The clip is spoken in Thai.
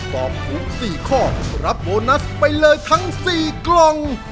ตอบถูก๔ข้อรับโบนัสไปเลยทั้ง๔กล่อง